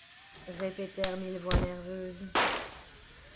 Répétèrent mille voix nerveuses.